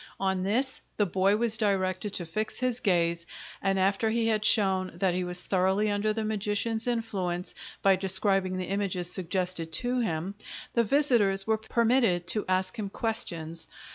On this the boy was directed to fix his gaze, and after he had shown that he was thoroughly under the magician's influence, by describing the images suggested to him, the visitors were permitted to ask him questions.